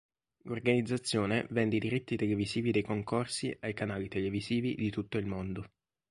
L'organizzazione vende i diritti televisivi dei concorsi ai canali televisivi di tutto il mondo.